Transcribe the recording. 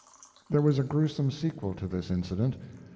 There was a gruesome sequel to this incident.